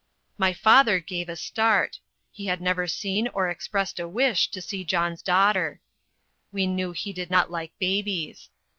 My father gave a start he had never seen or expressed a wish to see John's daughter. We knew he did not like babies.